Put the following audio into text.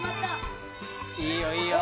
いいよいいよ。